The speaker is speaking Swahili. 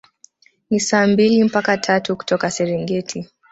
Ni saa mbili mpaka tatu kutoka Serengeti